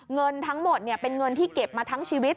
เงินทั้งหมดเป็นเงินที่เก็บมาทั้งชีวิต